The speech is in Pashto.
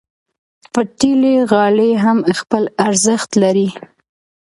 پتېلي غالۍ هم خپل ارزښت لري.